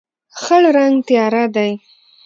خړ رنګ تیاره دی.